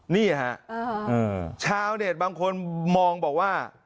นี่ฮะชาวเน็ตบางคนมองบอกว่า